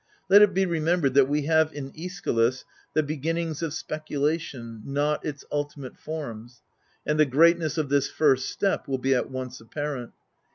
Let it be remembered that we have in ^schylus the beginnings of speculation, not its ultimate forms ; and the greatness of this first step will be at once apparent.